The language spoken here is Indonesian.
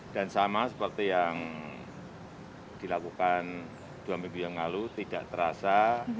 dan sama seperti yang dilakukan dua minggu yang lalu tidak terasa